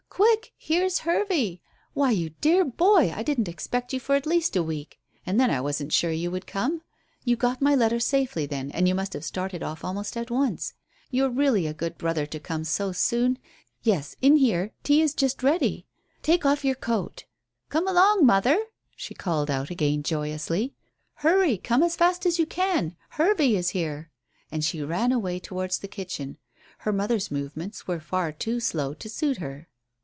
"Quick, here's Hervey. Why, you dear boy, I didn't expect you for at least a week and then I wasn't sure you would come. You got my letter safely then, and you must have started off almost at once you're a real good brother to come so soon. Yes, in here; tea is just ready. Take off your coat. Come along, mother," she called out again joyously. "Hurry; come as fast as you can; Hervey is here." And she ran away towards the kitchen. Her mother's movements were far too slow to suit her.